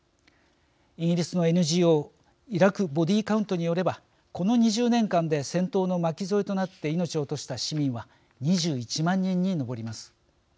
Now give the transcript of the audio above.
イギリスのＮＧＯイラク＝ボディーカウントによれば、この２０年間で戦闘の巻き添えとなって命を落とした市民は２１万人に上ります。